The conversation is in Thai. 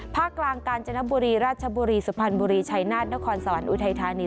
กลางกาญจนบุรีราชบุรีสุพรรณบุรีชัยนาธนครสวรรค์อุทัยธานี